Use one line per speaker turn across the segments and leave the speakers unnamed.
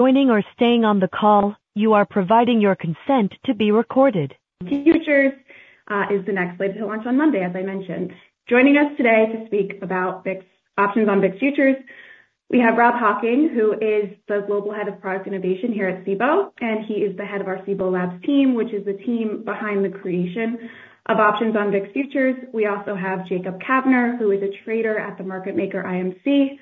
Joining or staying on the call, you are providing your consent to be recorded. VX option is the next slide to launch on Monday, as I mentioned. Joining us today to speak about VIX Options on VIX Futures, we have Rob Hocking, who is the Global Head of Product Innovation here at Cboe, and he is the head of our Cboe Labs team, which is the team behind the creation of options on VIX futures. We also have Jacob Kavner, who is a trader at the market maker IMC.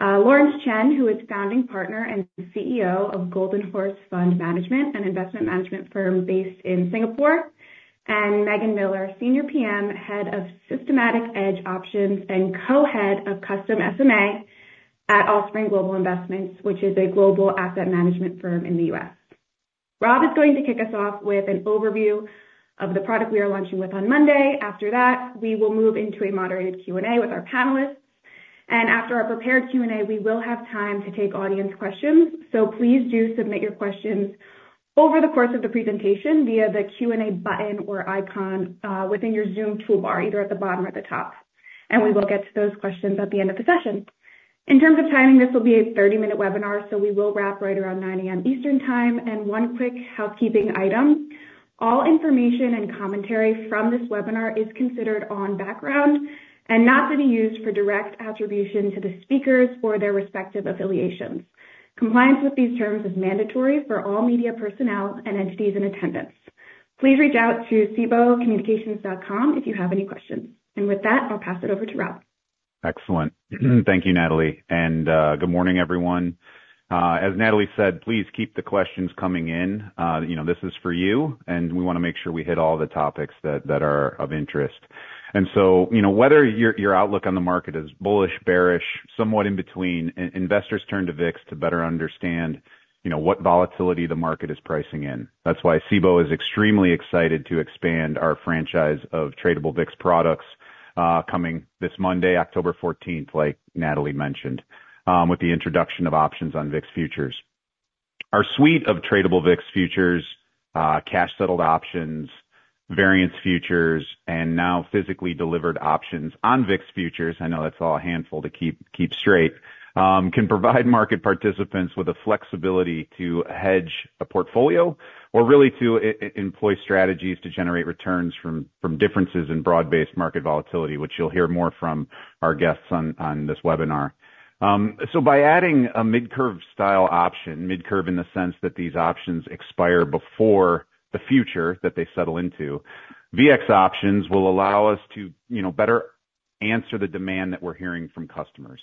Lawrence Chen, who is Founding Partner and CEO of Golden Horse Fund Management, an investment management firm based in Singapore, and Megan Miller, Senior PM, Head of Systematic Edge Options and Co-head of Custom SMA at Allspring Global Investments, which is a global asset management firm in the U.S. Rob is going to kick us off with an overview of the product we are launching with on Monday. After that, we will move into a moderated Q&A with our panelists, and after our prepared Q&A, we will have time to take audience questions. So please do submit your questions over the course of the presentation via the Q&A button or icon, within your Zoom toolbar, either at the bottom or the top, and we will get to those questions at the end of the session. In terms of timing, this will be a 30-minute webinar, so we will wrap right around 9:00 A.M. Eastern Time. And one quick housekeeping item: all information and commentary from this webinar is considered on background and not to be used for direct attribution to the speakers or their respective affiliations. Compliance with these terms is mandatory for all media, personnel, and entities in attendance. Please reach out to cboecommunications.com if you have any questions. With that, I'll pass it over to Rob.
Excellent. Thank you, Natalie, and good morning, everyone. As Natalie said, please keep the questions coming in. You know, this is for you, and we wanna make sure we hit all the topics that are of interest. And so, you know, whether your outlook on the market is bullish, bearish, somewhat in between, investors turn to VIX to better understand, you know, what volatility the market is pricing in. That's why Cboe is extremely excited to expand our franchise of tradable VIX products, coming this Monday, October fourteenth, like Natalie mentioned, with the introduction of options on VIX futures. Our suite of tradable VIX futures, cash-settled options, variance futures, and now physically delivered options on VIX futures, I know that's all a handful to keep straight, can provide market participants with the flexibility to hedge a portfolio or really to employ strategies to generate returns from differences in broad-based market volatility, which you'll hear more from our guests on this webinar. So by adding a mid-curve style option, mid-curve in the sense that these options expire before the future that they settle into, VX options will allow us to, you know, better answer the demand that we're hearing from customers.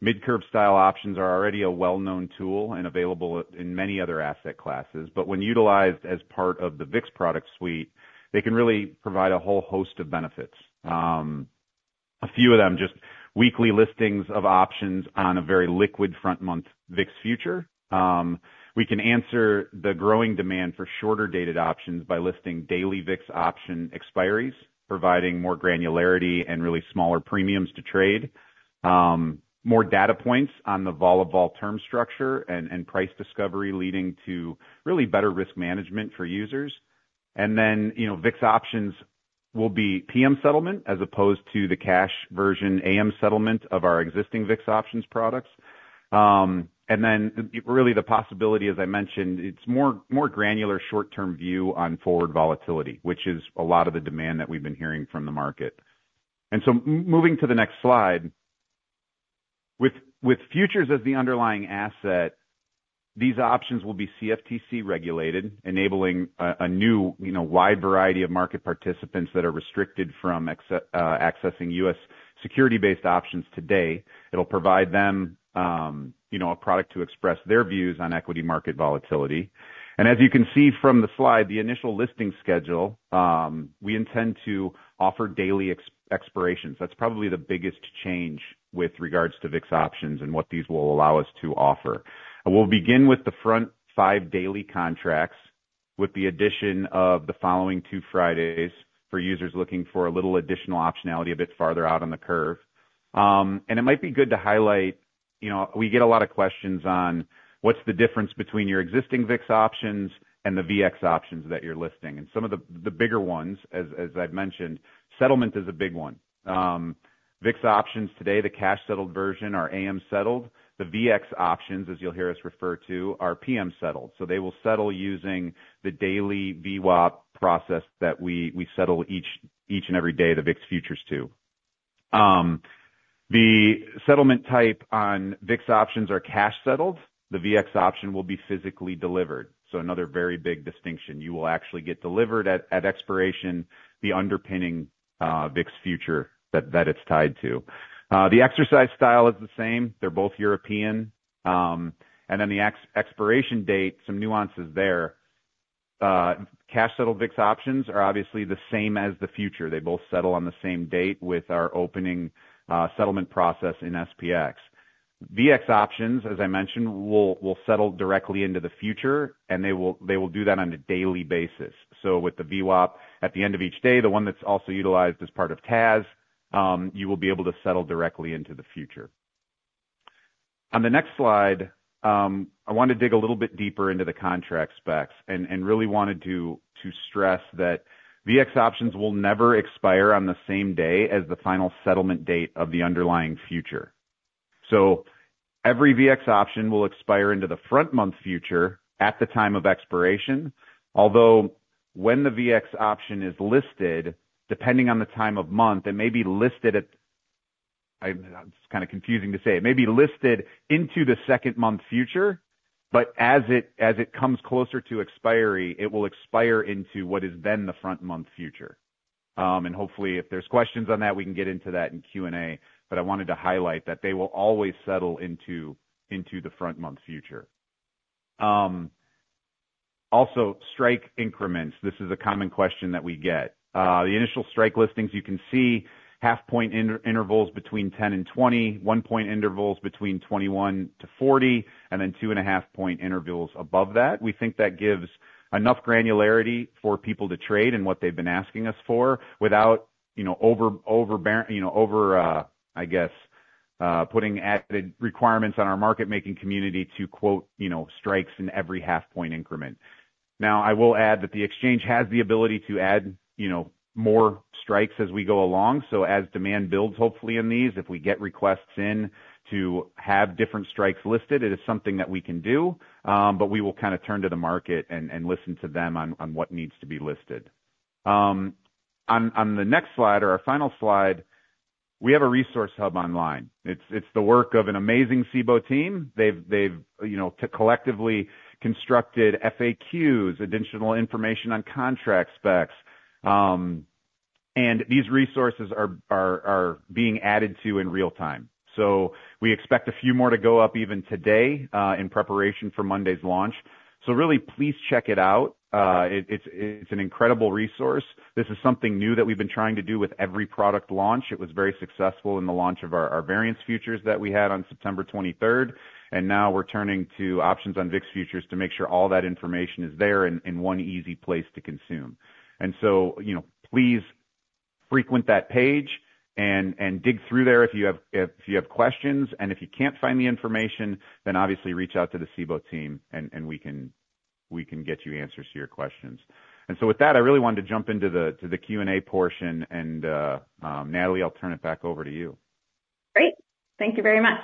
Mid-curve style options are already a well-known tool and available in many other asset classes, but when utilized as part of the VIX product suite, they can really provide a whole host of benefits. A few of them, just weekly listings of options on a very liquid front-month VIX future. We can answer the growing demand for shorter-dated options by listing daily VIX option expiries, providing more granularity and really smaller premiums to trade. More data points on the vol-of-vol term structure and price discovery, leading to really better risk management for users. And then, you know, VIX options will be PM settlement as opposed to the cash version AM settlement of our existing VIX options products. And then really the possibility, as I mentioned, it's more granular short-term view on forward volatility, which is a lot of the demand that we've been hearing from the market. And so moving to the next slide. With futures as the underlying asset, these options will be CFTC-regulated, enabling a new, you know, wide variety of market participants that are restricted from accessing US security-based options today. It'll provide them, you know, a product to express their views on equity market volatility, and as you can see from the slide, the initial listing schedule, we intend to offer daily expirations. That's probably the biggest change with regards to VIX options and what these will allow us to offer. We'll begin with the front five daily contracts, with the addition of the following two Fridays for users looking for a little additional optionality a bit farther out on the curve, and it might be good to highlight, you know, we get a lot of questions on what's the difference between your existing VIX options and the VX options that you're listing? And some of the bigger ones, as I've mentioned, settlement is a big one. VIX options today, the cash-settled version, are AM-settled. The VX options, as you'll hear us refer to, are PM-settled, so they will settle using the daily VWAP process that we settle each and every day, the VIX futures too. The settlement type on VIX options is cash-settled. The VX option will be physically delivered, so another very big distinction. You will actually get delivered at expiration, the underlying VIX future that it's tied to. The exercise style is the same. They're both European. And then the expiration date, some nuances there. Cash-settled VIX options are obviously the same as the future. They both settle on the same date with our opening settlement process in SPX. VX options, as I mentioned, will settle directly into the futures, and they will do that on a daily basis. So with the VWAP, at the end of each day, the one that's also utilized as part of TAS, you will be able to settle directly into the futures. On the next slide, I want to dig a little bit deeper into the contract specs and really wanted to stress that VX options will never expire on the same day as the final settlement date of the underlying futures. So every VX option will expire into the front month futures at the time of expiration. Although when the VX option is listed, depending on the time of month, it may be listed at—I, it's kind of confusing to say. It may be listed into the second month future, but as it comes closer to expiry, it will expire into what is then the front month future, and hopefully, if there's questions on that, we can get into that in Q&A, but I wanted to highlight that they will always settle into the front month future. Also, strike increments. This is a common question that we get. The initial strike listings, you can see 0.5-point intervals between 10 and 20, 1-point intervals between 21 to 40, and then 2.5-point intervals above that. We think that gives enough granularity for people to trade and what they've been asking us for, without, you know, putting added requirements on our market-making community to quote, you know, strikes in every 0.5-point increment. Now, I will add that the exchange has the ability to add, you know, more strikes as we go along. So as demand builds, hopefully, in these, if we get requests in to have different strikes listed, it is something that we can do. But we will kind of turn to the market and listen to them on what needs to be listed. On the next slide or our final slide, we have a resource hub online. It's the work of an amazing Cboe team. They've, you know, collectively constructed FAQs, additional information on contract specs, and these resources are being added to in real time. So we expect a few more to go up even today in preparation for Monday's launch. So really, please check it out. It's an incredible resource. This is something new that we've been trying to do with every product launch. It was very successful in the launch of our variance futures that we had on September 23rd, and now we're turning to options on VIX futures to make sure all that information is there in one easy place to consume. And so, you know, please frequent that page and dig through there if you have questions, and if you can't find the information, then obviously reach out to the Cboe team and we can get you answers to your questions. And so with that, I really wanted to jump into the Q&A portion, and Natalie, I'll turn it back over to you. Great. Thank you very much.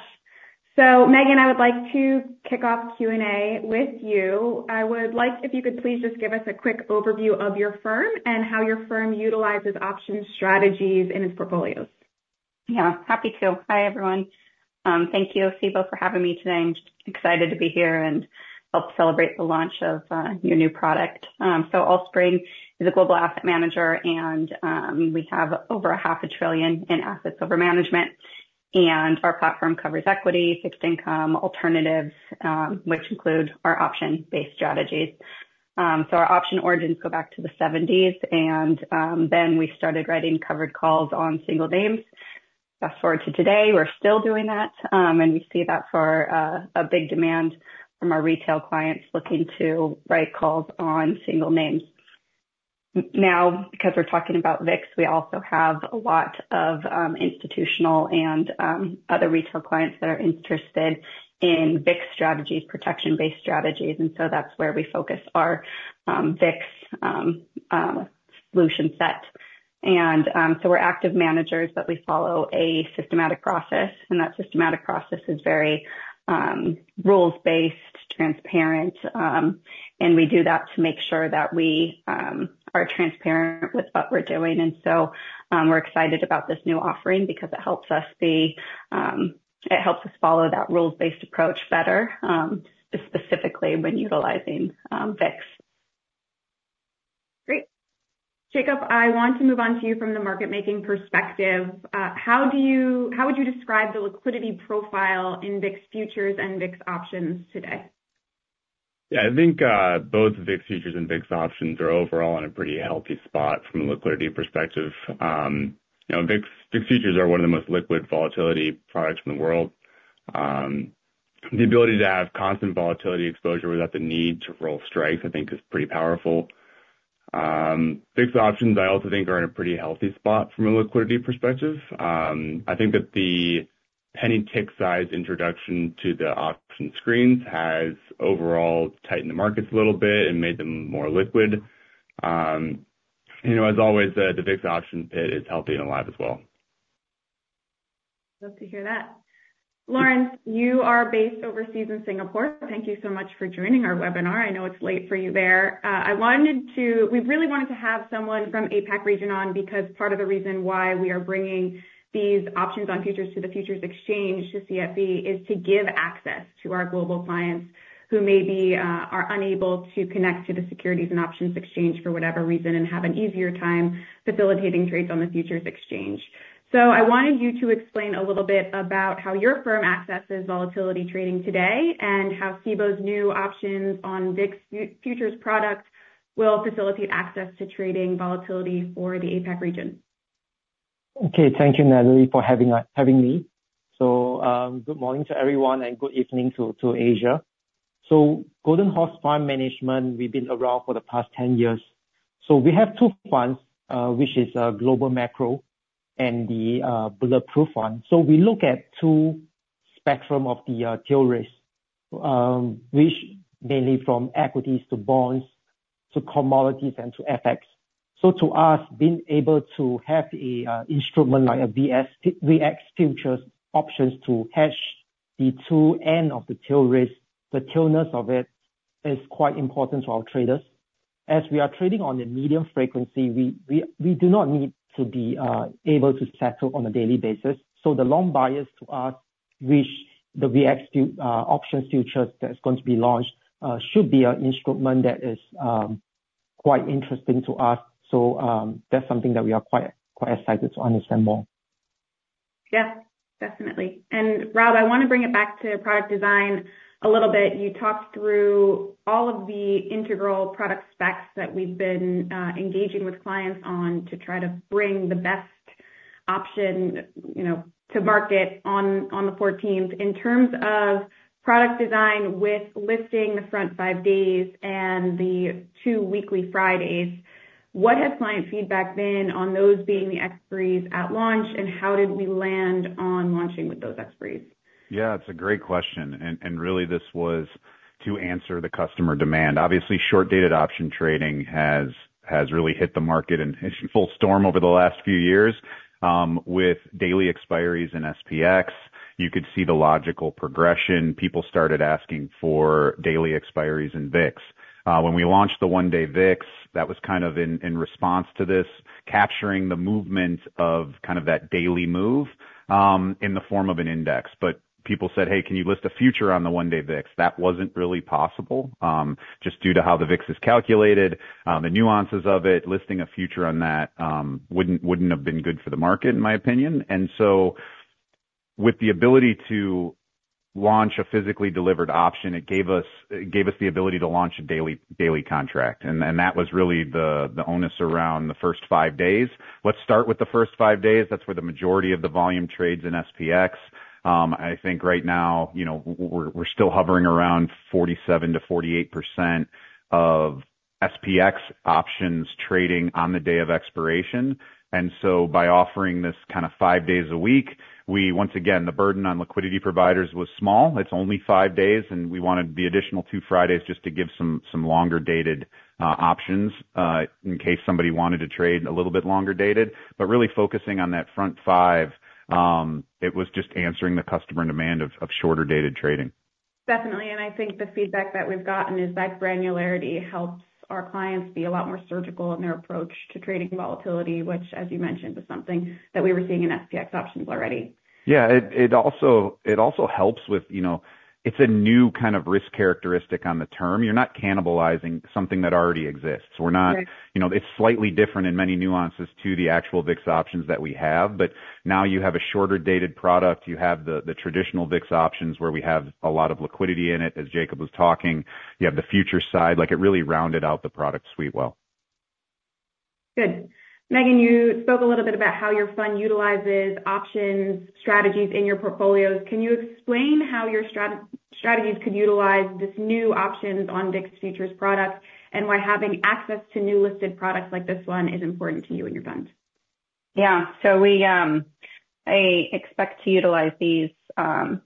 So Megan, I would like to kick off Q&A with you. I would like if you could please just give us a quick overview of your firm and how your firm utilizes options strategies in its portfolios.
Yeah, happy to. Hi, everyone. Thank you, Cboe, for having me today. I'm excited to be here and help celebrate the launch of your new product. So Allspring is a global asset manager, and we have over $500 billion in assets under management, and our platform covers equity, fixed income, alternatives, which include our option-based strategies. So our option origins go back to the seventies, and then we started writing covered calls on single names. Fast forward to today, we're still doing that, and we see a big demand from our retail clients looking to write calls on single names. Now, because we're talking about VIX, we also have a lot of institutional and other retail clients that are interested in VIX strategies, protection-based strategies, and so that's where we focus our VIX solution set, and so we're active managers, but we follow a systematic process, and that systematic process is very rules-based, transparent, and we do that to make sure that we are transparent with what we're doing, and so we're excited about this new offering because it helps us be. It helps us follow that rules-based approach better, specifically when utilizing VIX. Great. Jacob, I want to move on to you from the market making perspective. How do you, how would you describe the liquidity profile in VIX futures and VIX options today?
Yeah, I think, both VIX futures and VIX options are overall in a pretty healthy spot from a liquidity perspective. You know, VIX, VIX futures are one of the most liquid volatility products in the world. The ability to have constant volatility exposure without the need to roll strikes, I think is pretty powerful. VIX options I also think are in a pretty healthy spot from a liquidity perspective. I think that the penny tick size introduction to the option screens has overall tightened the markets a little bit and made them more liquid. You know, as always, the VIX option pit is healthy and alive as well. Glad to hear that. Lawrence, you are based overseas in Singapore. Thank you so much for joining our webinar. I know it's late for you there. We really wanted to have someone from APAC region on, because part of the reason why we are bringing these options on futures to the futures exchange, to CFE, is to give access to our global clients who maybe are unable to connect to the securities and options exchange for whatever reason, and have an easier time facilitating trades on the futures exchange. So I wanted you to explain a little bit about how your firm accesses volatility trading today, and how Cboe's new options on VIX futures product will facilitate access to trading volatility for the APAC region.
Okay. Thank you, Natalie, for having us, having me. Good morning to everyone, and good evening to Asia. Golden Horse Fund Management, we've been around for the past 10 years. We have two funds, which is Global Macro and the Bullet Proof Fund. We look at two spectrum of the tail risk, which mainly from equities to bonds... to commodities and to FX. To us, being able to have a instrument like a VIX VX futures options to hedge the two end of the tail risk, the tailness of it, is quite important to our traders. As we are trading on a medium frequency, we do not need to be able to settle on a daily basis. So the long bias to us, which the VX options futures that's going to be launched should be an instrument that is quite interesting to us. So, that's something that we are quite, quite excited to understand more. Yeah, definitely. And Rob, I wanna bring it back to product design a little bit. You talked through all of the integral product specs that we've been engaging with clients on to try to bring the best option, you know, to market on the fourteenth. In terms of product design with listing the front five days and the two weekly Fridays, what has client feedback been on those being the expiries at launch, and how did we land on launching with those expiries?
Yeah, it's a great question. And really, this was to answer the customer demand. Obviously, short-dated option trading has really hit the market in full storm over the last few years. With daily expiries in SPX, you could see the logical progression. People started asking for daily expiries in VIX. When we launched the one-day VIX, that was kind of in response to this, capturing the movement of kind of that daily move in the form of an index. But people said, "Hey, can you list a future on the one-day VIX?" That wasn't really possible, just due to how the VIX is calculated, the nuances of it. Listing a future on that wouldn't have been good for the market, in my opinion. With the ability to launch a physically delivered option, it gave us the ability to launch a daily contract. That was really the onus around the first five days. Let's start with the first five days. That's where the majority of the volume trades in SPX. I think right now, you know, we're still hovering around 47%-48% of SPX options trading on the day of expiration. By offering this kind of five days a week, we, once again, the burden on liquidity providers was small. It's only five days, and we wanted the additional two Fridays just to give some longer-dated options in case somebody wanted to trade a little bit longer-dated. But really focusing on that front five, it was just answering the customer demand of shorter-dated trading. Definitely. And I think the feedback that we've gotten is that granularity helps our clients be a lot more surgical in their approach to trading volatility, which, as you mentioned, was something that we were seeing in SPX options already. Yeah. It also helps with, you know, it's a new kind of risk characteristic on the term. You're not cannibalizing something that already exists. Right. You know, it's slightly different in many nuances to the actual VIX options that we have, but now you have a shorter-dated product. You have the traditional VIX options, where we have a lot of liquidity in it, as Jacob was talking. You have the futures side. Like, it really rounded out the product suite well. Good. Megan, you spoke a little bit about how your fund utilizes options, strategies in your portfolios. Can you explain how your strategies could utilize this new options on VIX futures products, and why having access to new listed products like this one is important to you and your funds?
Yeah. So we, I expect to utilize these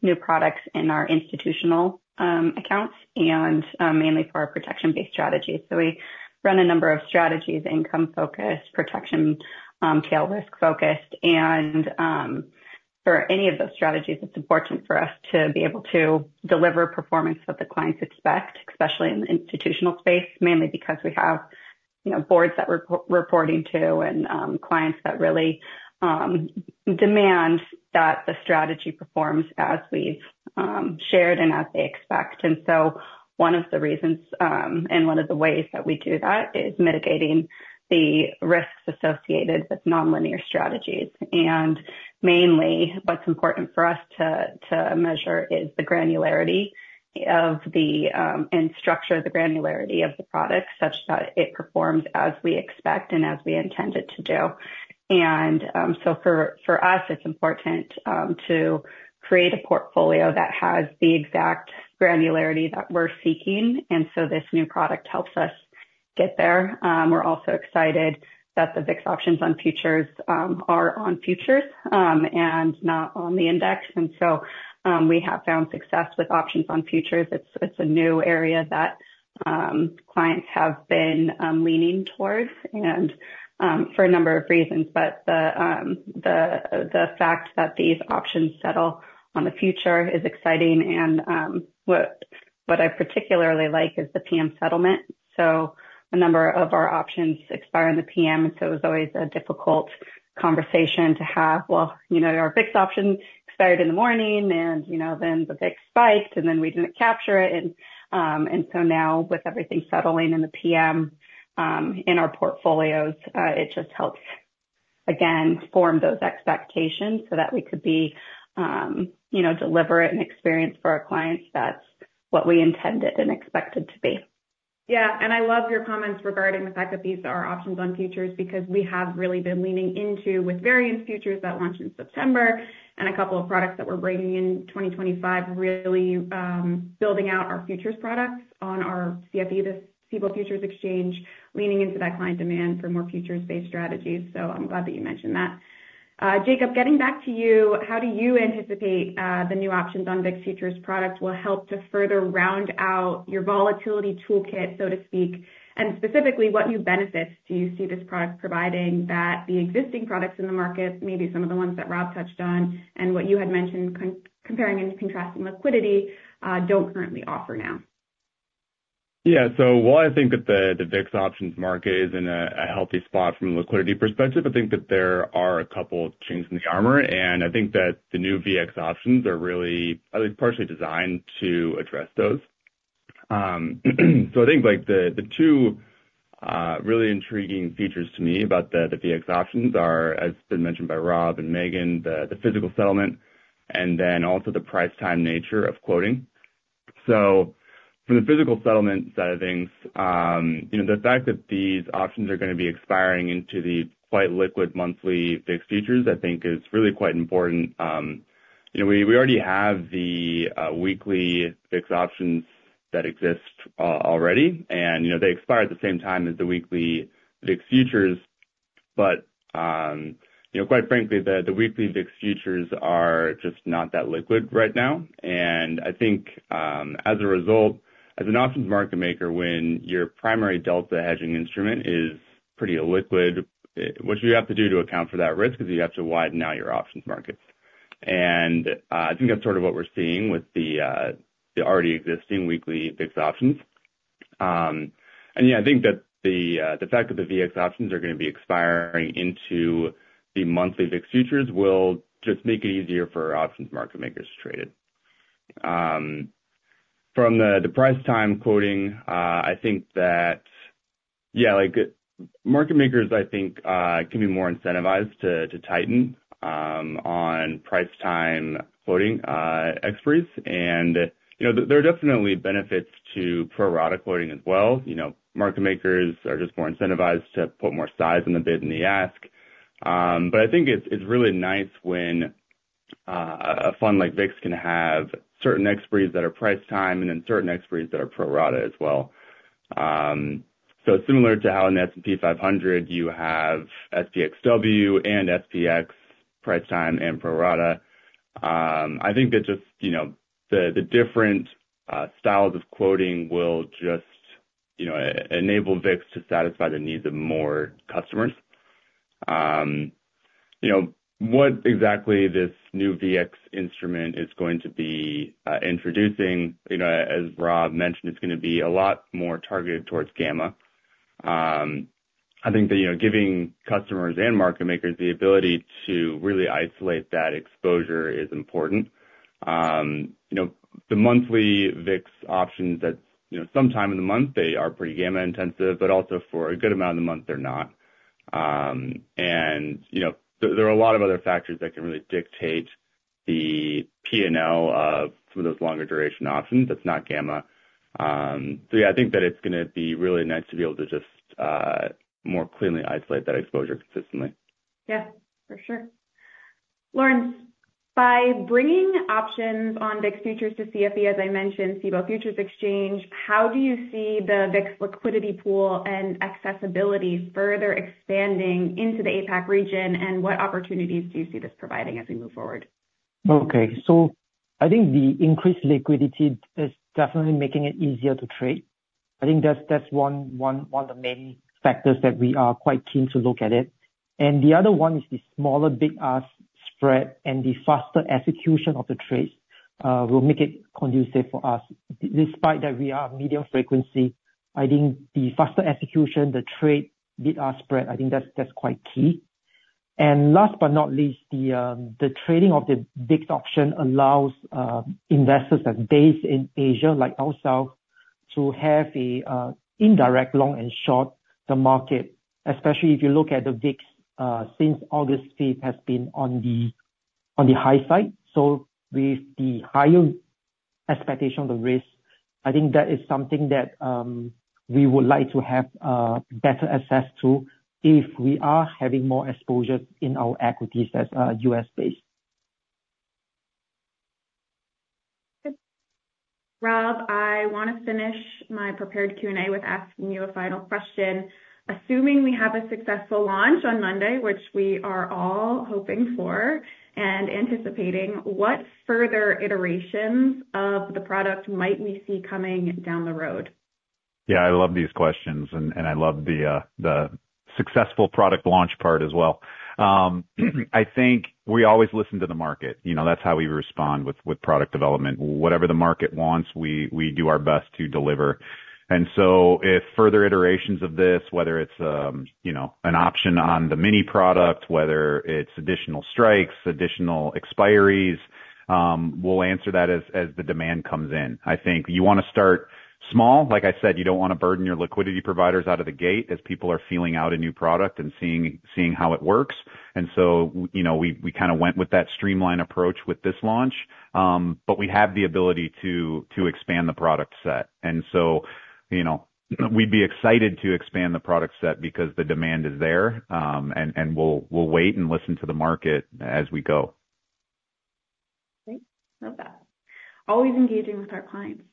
new products in our institutional accounts and mainly for our protection-based strategies. So we run a number of strategies, income focused, protection, tail risk focused. And for any of those strategies, it's important for us to be able to deliver performance that the clients expect, especially in the institutional space, mainly because we have, you know, boards that we're reporting to and clients that really demand that the strategy performs as we've shared and as they expect. And so one of the reasons and one of the ways that we do that is mitigating the risks associated with nonlinear strategies. And mainly, what's important for us to measure is the granularity of the and structure the granularity of the product such that it performs as we expect and as we intend it to do. And so for us, it's important to create a portfolio that has the exact granularity that we're seeking, and so this new product helps us get there. We're also excited that the VIX options on futures are on futures and not on the index. And so we have found success with options on futures. It's a new area that clients have been leaning towards and for a number of reasons. But the fact that these options settle on the future is exciting and what I particularly like is the PM settlement. A number of our options expire in the PM, and so it was always a difficult conversation to have. You know, our VIX option expired in the morning, and, you know, then the VIX spiked, and then we didn't capture it. And so now with everything settling in the PM, in our portfolios, it just helps, again, form those expectations so that we could be, you know, deliberate and experience for our clients that's what we intended and expected to be. Yeah, and I love your comments regarding the fact that these are options on futures, because we have really been leaning into with variance futures that launched in September and a couple of products that we're bringing in 2025, really, building out our futures products on our CFE, the Cboe Futures Exchange, leaning into that client demand for more futures-based strategies. So I'm glad that you mentioned that. Jacob, getting back to you, how do you anticipate the new options on VIX Futures products will help to further round out your volatility toolkit, so to speak? And specifically, what new benefits do you see this product providing that the existing products in the market, maybe some of the ones that Rob touched on and what you had mentioned comparing and contrasting liquidity, don't currently offer now?
Yeah. So while I think that the VIX options market is in a healthy spot from a liquidity perspective, I think that there are a couple of chinks in the armor, and I think that the new VX options are really, I think, partially designed to address those. So I think, like, the two really intriguing features to me about the VX options are, as been mentioned by Rob and Megan, the physical settlement, and then also the price-time nature of quoting. So from the physical settlement side of things, you know, the fact that these options are gonna be expiring into the quite liquid monthly VIX futures, I think is really quite important. You know, we already have the weekly VIX options that exist already, and, you know, they expire at the same time as the weekly VIX futures. But, you know, quite frankly, the weekly VIX futures are just not that liquid right now. And I think, as a result, as an options market maker, when your primary delta hedging instrument is pretty illiquid, what you have to do to account for that risk, is you have to widen out your options markets. And, I think that's sort of what we're seeing with the already existing weekly VIX options. And, yeah, I think that the fact that the VX options are gonna be expiring into the monthly VIX futures will just make it easier for options market makers to trade it. From the price-time quoting, I think that. Yeah, like, market makers, I think, can be more incentivized to tighten on price-time quoting expiries. You know, there are definitely benefits to pro-rata quoting as well. You know, market makers are just more incentivized to put more size in the bid and the ask. But I think it's really nice when a fund like VIX can have certain expiries that are price-time, and then certain expiries that are pro-rata as well. So similar to how in S&P 500 you have SPXW and SPX price-time and pro-rata, I think that just, you know, the different styles of quoting will just, you know, enable VIX to satisfy the needs of more customers. You know, what exactly this new VX instrument is going to be introducing, you know, as Rob mentioned, it's gonna be a lot more targeted towards gamma. I think that, you know, giving customers and market makers the ability to really isolate that exposure is important. You know, the monthly VIX options that, you know, sometime in the month, they are pretty gamma intensive, but also for a good amount of the month, they're not. And, you know, there are a lot of other factors that can really dictate the PNL of some of those longer duration options, that's not gamma. So yeah, I think that it's gonna be really nice to be able to just, more clearly isolate that exposure consistently. Yeah, for sure. Lawrence, by bringing options on VIX futures to CFE, as I mentioned, Cboe Futures Exchange, how do you see the VIX liquidity pool and accessibility further expanding into the APAC region, and what opportunities do you see this providing as we move forward?
Okay. So I think the increased liquidity is definitely making it easier to trade. I think that's one of the main factors that we are quite keen to look at it. And the other one is the smaller bid-ask spread and the faster execution of the trades will make it conducive for us, despite that we are medium frequency. I think the faster execution, the tighter bid-ask spread, I think that's quite key. And last but not least, the trading of the VIX option allows investors that are based in Asia, like ourselves, to have an indirect long and short the market, especially if you look at the VIX since August fifth has been on the high side. With the higher expectation of the risk, I think that is something that we would like to have better access to if we are having more exposure in our equities as US-based. Rob, I wanna finish my prepared Q&A with asking you a final question. Assuming we have a successful launch on Monday, which we are all hoping for and anticipating, what further iterations of the product might we see coming down the road?
Yeah, I love these questions, and I love the successful product launch part as well. I think we always listen to the market. You know, that's how we respond with product development. Whatever the market wants, we do our best to deliver. And so if further iterations of this, whether it's you know, an option on the mini product, whether it's additional strikes, additional expiries, we'll answer that as the demand comes in. I think you wanna start small. Like I said, you don't wanna burden your liquidity providers out of the gate as people are feeling out a new product and seeing how it works. And so, you know, we kind of went with that streamlined approach with this launch. But we have the ability to expand the product set. And so, you know, we'd be excited to expand the product set because the demand is there. We'll wait and listen to the market as we go. Great, love that. Always engaging with our clients.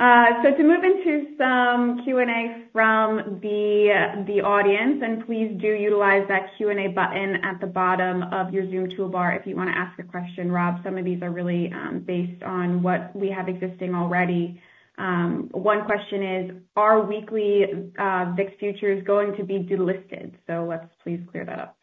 So to move into some Q&A from the audience, and please do utilize that Q&A button at the bottom of your Zoom toolbar if you wanna ask a question, Rob. Some of these are really based on what we have existing already. One question is: Are weekly VIX futures going to be delisted? So let's please clear that up.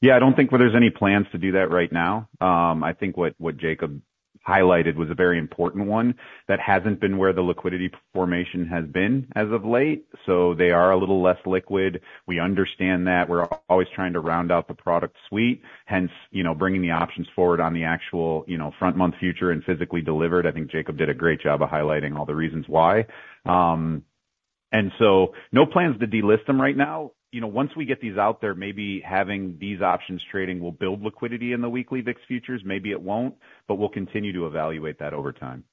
Yeah, I don't think there's any plans to do that right now. I think what Jacob highlighted was a very important one, that hasn't been where the liquidity formation has been as of late, so they are a little less liquid. We understand that. We're always trying to round out the product suite, hence, you know, bringing the options forward on the actual, you know, front month future and physically delivered. I think Jacob did a great job of highlighting all the reasons why, and so no plans to delist them right now. You know, once we get these out there, maybe having these options trading will build liquidity in the weekly VIX futures, maybe it won't, but we'll continue to evaluate that over time.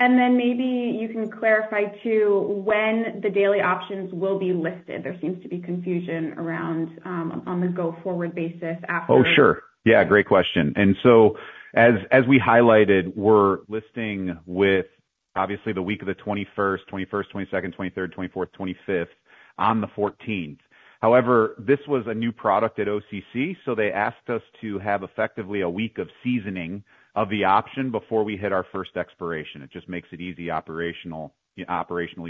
And then maybe you can clarify, too, when the daily options will be listed. There seems to be confusion around, on the go-forward basis after. Oh, sure. Yeah, great question. And so as, as we highlighted, we're listing with obviously the week of the 21st, 21st, 22nd, 23rd, 24th, 25th on the 14th. However, this was a new product at OCC, so they asked us to have effectively a week of seasoning of the option before we hit our first expiration. It just makes it easy operationally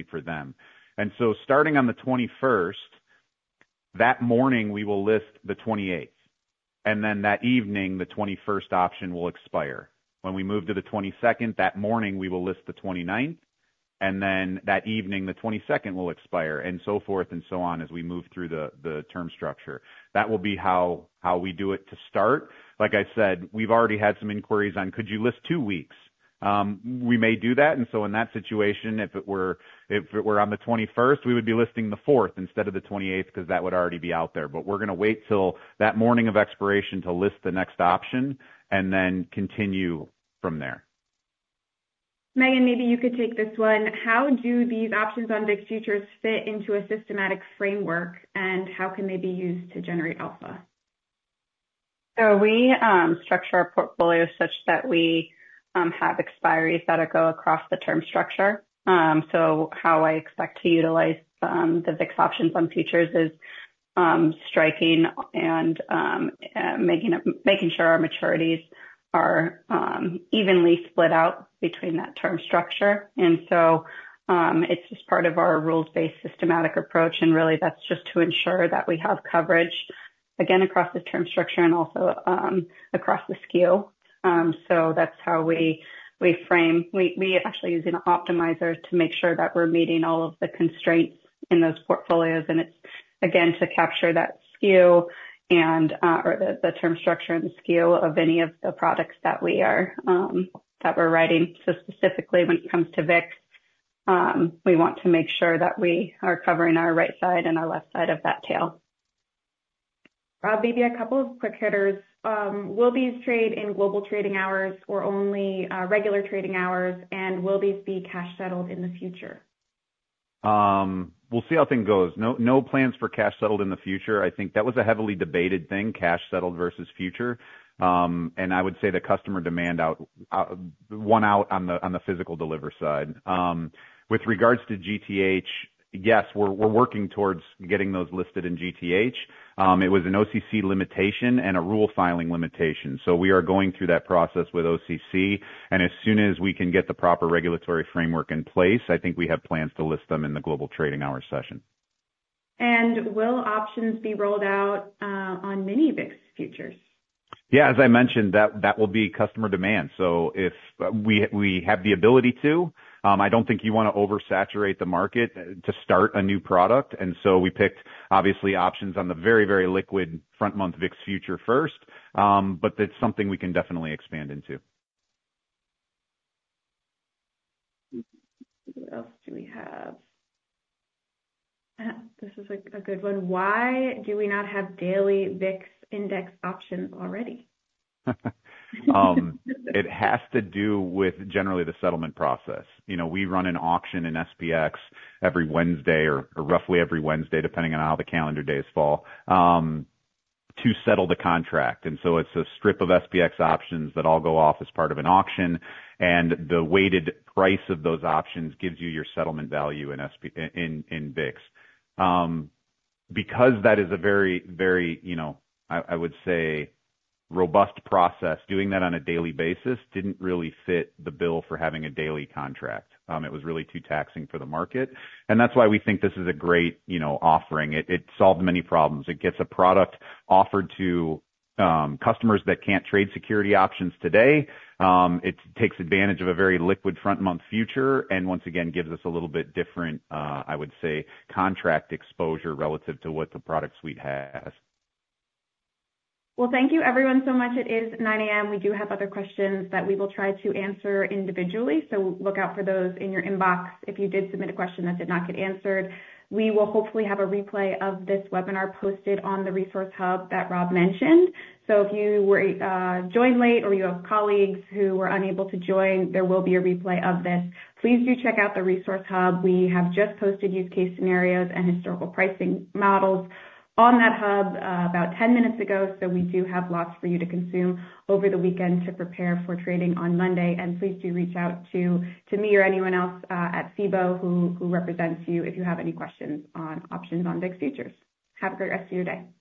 for them. And so starting on the 21st, that morning, we will list the 28th, and then that evening, the 21st option will expire. When we move to the 22nd, that morning, we will list the 29th, and then that evening, the 22nd will expire, and so forth and so on as we move through the, the term structure. That will be how, how we do it to start. Like I said, we've already had some inquiries on, "Could you list two weeks?" We may do that, and so in that situation, if it were on the 21st, we would be listing the fourth instead of the 28th, 'cause that would already be out there. But we're gonna wait till that morning of expiration to list the next option and then continue from there.= Megan, maybe you could take this one. How do these options on VIX futures fit into a systematic framework, and how can they be used to generate alpha?
So we structure our portfolio such that we have expiries that go across the term structure. So how I expect to utilize the VIX options on futures is striking and making sure our maturities are evenly split out between that term structure. And so it's just part of our rules-based, systematic approach, and really that's just to ensure that we have coverage, again, across the term structure and also across the skew. So that's how we actually use an optimizer to make sure that we're meeting all of the constraints in those portfolios, and it's again to capture that skew and or the term structure and the skew of any of the products that we're writing. Specifically when it comes to VIX, we want to make sure that we are covering our right side and our left side of that tail. Rob, maybe a couple of quick hitters. Will these trade in Global Trading Hours or only Regular Trading Hours? And will these be cash-settled in the future?
We'll see how things goes. No, no plans for cash settled in the future. I think that was a heavily debated thing, cash settled versus future. And I would say the customer demand out won out on the physical deliver side. With regards to GTH, yes, we're working towards getting those listed in GTH. It was an OCC limitation and a rule-filing limitation, so we are going through that process with OCC, and as soon as we can get the proper regulatory framework in place, I think we have plans to list them in the Global Trading Hour session. Will options be rolled out on Mini VIX futures? Yeah, as I mentioned, that will be customer demand. So if we have the ability to, I don't think you wanna oversaturate the market to start a new product, and so we picked obviously options on the very, very liquid front month VIX future first, but it's something we can definitely expand into. What else do we have? This is, like, a good one: Why do we not have daily VIX index options already? It has to do with generally the settlement process. You know, we run an auction in SPX every Wednesday or roughly every Wednesday, depending on how the calendar days fall, to settle the contract. And so it's a strip of SPX options that all go off as part of an auction, and the weighted price of those options gives you your settlement value in SPX in VIX. Because that is a very, very, you know, I would say, robust process, doing that on a daily basis didn't really fit the bill for having a daily contract. It was really too taxing for the market, and that's why we think this is a great, you know, offering. It solved many problems. It gets a product offered to customers that can't trade security options today. It takes advantage of a very liquid front-month future, and once again, gives us a little bit different, I would say, contract exposure relative to what the product suite has. Thank you everyone so much. It is 9 A.M. We do have other questions that we will try to answer individually, so look out for those in your inbox if you did submit a question that did not get answered. We will hopefully have a replay of this webinar posted on the resource hub that Rob mentioned. If you were joined late or you have colleagues who were unable to join, there will be a replay of this. Please do check out the resource hub. We have just posted use case scenarios and historical pricing models on that hub about 10 minutes ago, so we do have lots for you to consume over the weekend to prepare for trading on Monday.
And please do reach out to me or anyone else at Cboe who represents you if you have any questions on options on VIX futures. Have a great rest of your day. Goodbye!